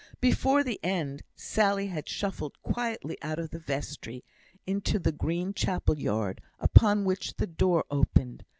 Before the end Sally had shuffled quietly out of the vestry into the green chapel yard, upon which the door opened.